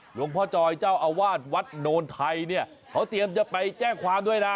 หลวงพ่อจอยเจ้าอาวาสวัดโนนไทยเนี่ยเขาเตรียมจะไปแจ้งความด้วยนะ